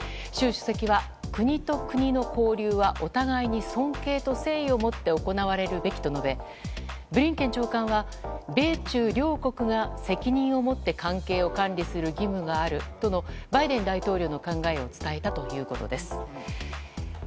主席は国と国の交流はお互いに尊敬と敬意を持って行われるべきと述べブリンケン長官は米中両国が責任を持って関係を管理する義務があるとのバイデン大統領の考えを伝えたということです。